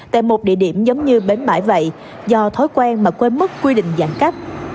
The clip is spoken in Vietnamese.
tại một địa điểm giống như bến bãi vậy do thói quen mà quên mất quy định giãn cách